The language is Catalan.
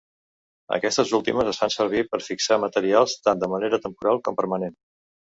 Aquestes últimes es fan servir per fixar materials tant de manera temporal com permanent.